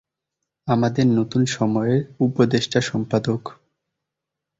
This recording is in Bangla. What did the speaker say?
আমাদের নতুন সময়ের উপদেষ্টা সম্পাদক।